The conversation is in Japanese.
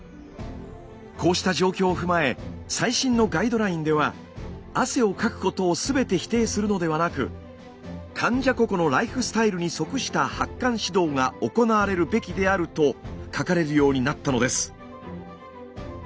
こうした状況を踏まえ最新のガイドラインでは汗をかくことを全て否定するのではなく患者個々のライフスタイルに即した発汗指導が行われるべきであると書かれるようになったのです。